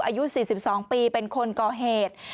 อายุ๔๒ปีเป็นคนก่อเหตุ